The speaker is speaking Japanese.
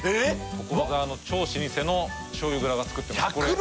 所沢の超老舗の醤油蔵が造ってます